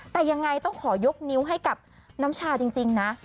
แต่ยังไงต้องขอยกนิ้วให้กับน้ำชาจริงนะ